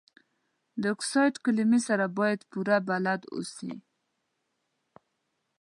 د اکسایډ کلمې سره باید پوره بلد اوسئ.